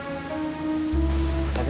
pengen nyamah ngelawan sok